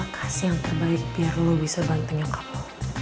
makasih yang terbaik biar lu bisa bantu nyokap lu